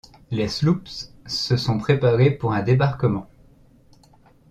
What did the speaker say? Les sloops se sont préparés pour un débarquement.